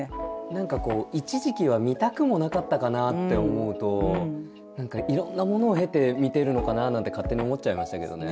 何かこう一時期は見たくもなかったかなって思うといろんなものを経て見てるのかななんて勝手に思っちゃいましたけどね。